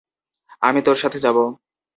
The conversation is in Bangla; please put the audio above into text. আমি তোর সাথে যাব।